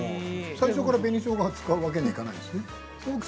最初から紅しょうがを使うわけにはいかないんですね？